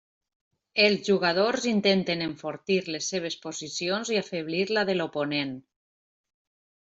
Els jugadors intenten enfortir les seves posicions i afeblir la de l'oponent.